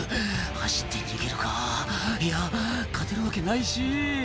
「走って逃げるかいや勝てるわけないし」